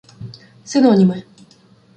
Синоніми